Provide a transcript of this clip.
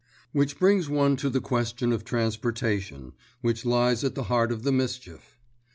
Which brings one to the question of transportation, which lies at the heart of the mischief.